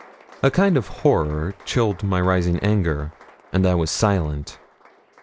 A kind of horror chilled my rising anger, and I was silent.